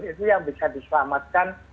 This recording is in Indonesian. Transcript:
itu yang bisa diselamatkan